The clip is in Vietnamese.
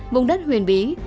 bùng đất huyền bí